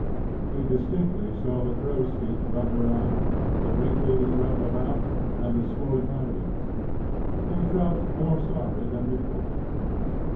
He distinctly saw the crowsfeet round her eyes, the wrinkles round her mouth, and the swollen eyelids. He felt more sorry than before.